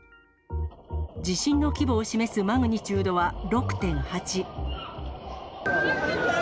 地震の規模を示すマグニチュードは６．８。